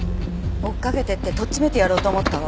追いかけていってとっちめてやろうと思ったわ。